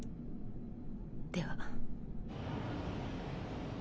では。